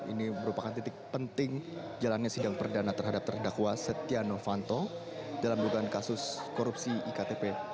ini merupakan titik penting jalannya sidang perdana terhadap terdakwa setia novanto dalam dugaan kasus korupsi iktp